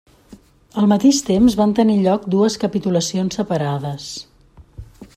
Al mateix temps van tenir lloc dues capitulacions separades.